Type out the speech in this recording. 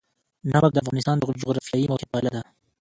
نمک د افغانستان د جغرافیایي موقیعت پایله ده.